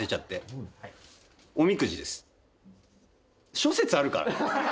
諸説あるから。